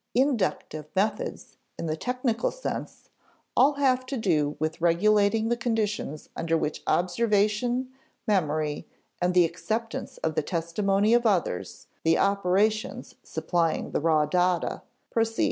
Inductive methods, in the technical sense, all have to do with regulating the conditions under which observation, memory, and the acceptance of the testimony of others (the operations supplying the raw data) proceed.